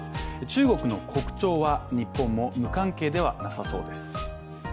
中国の国潮は日本も無関係ではなさそうです。